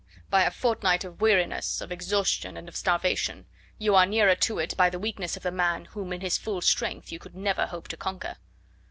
By a fortnight of weariness, of exhaustion and of starvation, you are nearer to it by the weakness of the man whom in his full strength you could never hope to conquer."